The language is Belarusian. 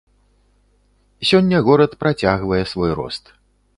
Сёння горад працягвае свой рост.